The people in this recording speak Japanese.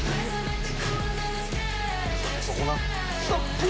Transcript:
そこな。